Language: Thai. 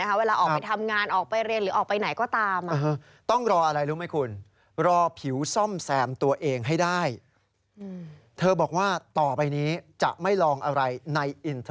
ออกไปทำงานออกไปเรียนออกไปไหนก็ตาม